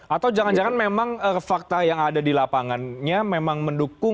atau jangan jangan memang fakta yang ada di lapangannya memang mendukung